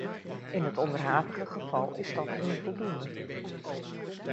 In het onderhavige geval is dat onvoldoende.